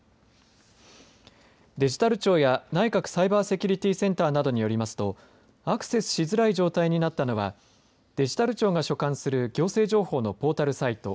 デジタル庁や内閣サイバーセキュリティセンターなどによりますとアクセスしづらい状態になったのはデジタル庁が所管する行政情報のポータルサイト